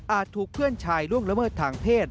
ถูกเพื่อนชายล่วงละเมิดทางเพศ